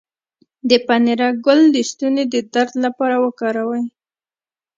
د پنیرک ګل د ستوني د درد لپاره وکاروئ